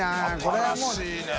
新しいね。